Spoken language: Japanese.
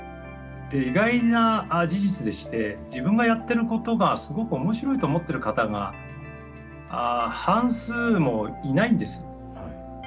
意外な事実でして自分がやってることがすごく面白いと思ってる方が半数もいないんです。